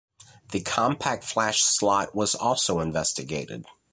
The CompactFlash slot was also investigated.